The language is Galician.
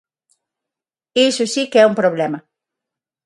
Iso si que é un problema!